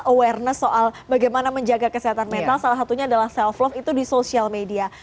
awareness soal bagaimana menjaga kesehatan mental salah satunya adalah self love itu di sosial media